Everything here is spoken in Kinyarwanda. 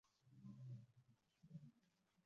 Isinzi riteraniye ahantu hanini ho hanze